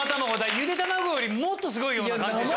ゆで卵よりもっとすごいような感じ。